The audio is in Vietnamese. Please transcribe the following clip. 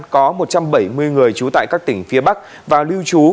có một trăm bảy mươi người trú tại các tỉnh phía bắc vào lưu trú